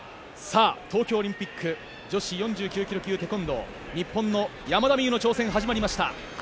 東京オリンピック女子４９ｋｇ級テコンドー日本の山田美諭の挑戦が始まりました。